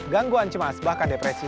gangguan cemas bahkan depresi